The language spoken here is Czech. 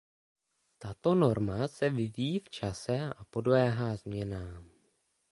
Tato norma se vyvíjí v čase a podléhá změnám.